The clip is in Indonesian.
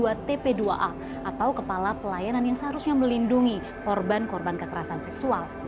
atau kepala pelayanan yang seharusnya melindungi korban korban kekerasan seksual